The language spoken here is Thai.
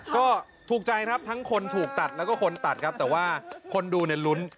ก็ถูกใจครับทั้งคนถูกตัดแล้วก็คนตัดครับแต่ว่าคนดูเนี่ยลุ้น